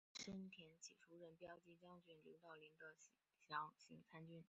申恬起初任骠骑将军刘道邻的长兼行参军。